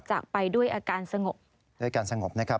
จากไปด้วยอาการสงบด้วยการสงบนะครับ